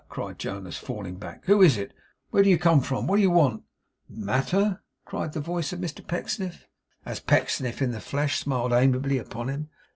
cried Jonas, falling back. 'Who is it? Where do you come from? What do you want?' 'Matter!' cried the voice of Mr Pecksniff, as Pecksniff in the flesh smiled amiably upon him.